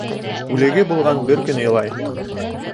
Үлеге булған бер көн илай